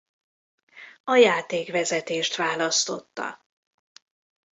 A játékvezetést választotta.